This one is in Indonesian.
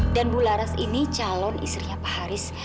dan bularas ini calon istrinya pak haris